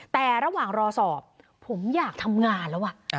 แต่ระหว่างรอสอบผมอยากทำงานแล้ว